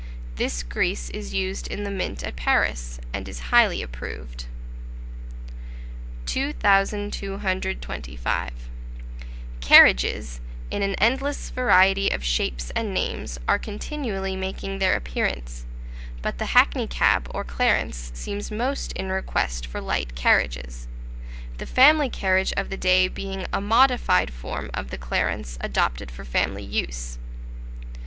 This grease is used in the mint at Paris, and is highly approved. 2225. Carriages in an endless variety of shapes and names are continually making their appearance; but the hackney cab or clarence seems most in request for light carriages; the family carriage of the day being a modified form of the clarence adapted for family use.